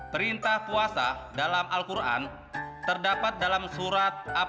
perintah puasa dalam al qur'an terdapat dalam surat apa